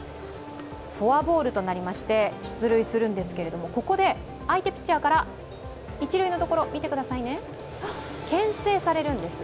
フォアボールとなりまして出塁するんですけれどもここで、相手ピッチャーから一塁のところ、けん制されるんです。